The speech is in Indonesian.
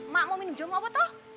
mak mau minum jamu apa tuh